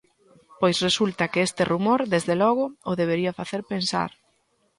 Pois resulta que este rumor, desde logo, o debería facer pensar.